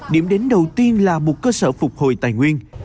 điểm đến đầu tiên là một cơ sở phục hồi tài nguyên